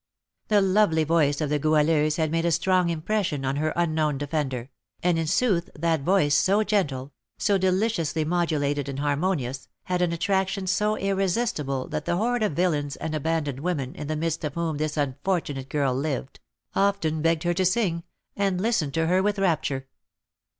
The lovely voice of the Goualeuse had made a strong impression on her unknown defender, and, in sooth, that voice, so gentle, so deliciously modulated and harmonious, had an attraction so irresistible that the horde of villains and abandoned women, in the midst of whom this unfortunate girl lived, often begged her to sing, and listened to her with rapture.